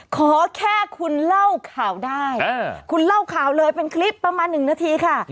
ขอแค่คุณเล่าข่าวได้คุณเล่าข่าวเลยเป็นคลิปประมาณ๑นาทีค่ะ